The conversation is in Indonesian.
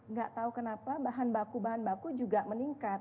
nggak tahu kenapa bahan baku bahan baku juga meningkat